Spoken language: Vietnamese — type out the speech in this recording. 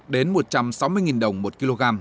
đến một trăm sáu mươi đồng một kg